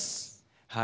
はい。